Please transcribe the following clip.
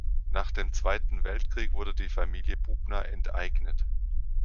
Nach dem Zweiten Weltkrieg wurde die Familie Bubna enteignet.